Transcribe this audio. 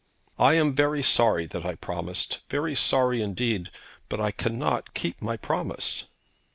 'I am very sorry that I promised, very sorry indeed; but I cannot keep my promise.'